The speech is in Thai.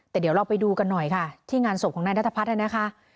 แต่เดี๋ยวเราไปดูกันหน่อยค่ะที่งานศพของนายนัทพัฒน์นะคะ